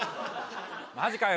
マジかよ